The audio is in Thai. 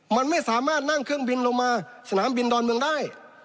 มันไม่สามารถนั่งเครื่องบินลงมาสนามบินดอนเมืองได้